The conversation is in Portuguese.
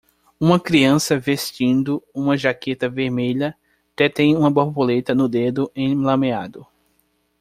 Uma criança vestindo uma jaqueta vermelha detém uma borboleta no dedo enlameado.